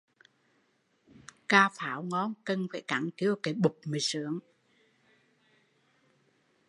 Cà pháo ngon cần phải cắn kêu cái bụp mới sướng